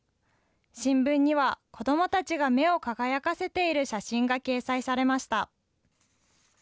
新聞には、子どもたちが目を輝かせている写真が掲載されました。